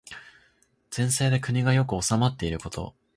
善政で国が良く治まっていること。